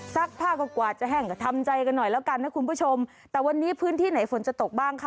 ผ้าก็กว่าจะแห้งก็ทำใจกันหน่อยแล้วกันนะคุณผู้ชมแต่วันนี้พื้นที่ไหนฝนจะตกบ้างค่ะ